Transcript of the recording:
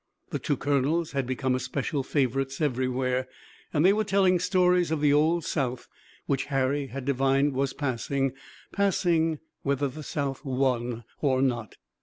The two colonels had become especial favorites everywhere, and they were telling stories of the old South, which Harry had divined was passing; passing whether the South won or not.